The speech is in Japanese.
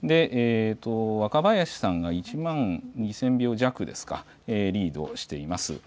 若林さんが１万２０００票弱リードしています。